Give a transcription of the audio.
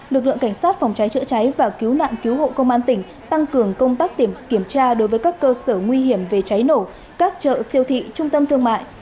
lực lượng cảnh sát phòng cháy chữa cháy và cứu nạn cứu hộ công an tỉnh tăng cường công tác kiểm tra đối với các cơ sở nguy hiểm về cháy nổ các chợ siêu thị trung tâm thương mại